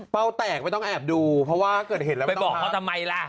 เปล่าแตกไม่ต้องแอบดูเพราะว่าเกิดเห็นแล้วไม่ต้องทำไปบอกเขาทำไมล่ะ